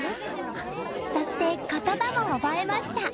そして、言葉も覚えました。